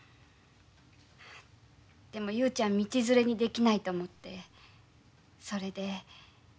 でも雄ちゃん道連れにできないと思ってそれで。